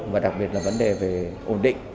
và đặc biệt là vấn đề về ổn định